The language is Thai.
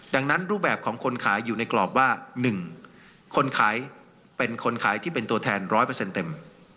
ดังนั้นรูปแบบของคนขายอยู่ในกรอบว่า๑คนขายเป็นคนขายที่เป็นตัวแทน๑๐๐เต็ม